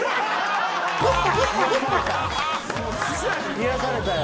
癒やされたよ。